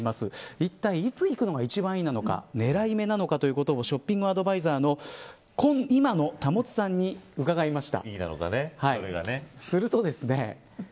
いったい、いつ行くのが一番いいのか狙い目なのかということをショッピングアドバイザーの今野保さんに伺いました。